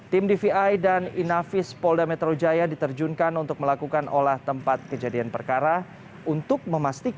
tim dvi dan inafis polda metro jaya diperbantukan pengamanan internal lapas